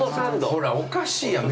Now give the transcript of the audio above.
ほら、おかしいやん。